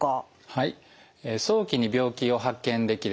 はい。